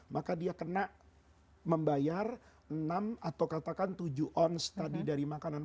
maka dia kena membayar enam atau katakan tujuh ons tadi dari makanan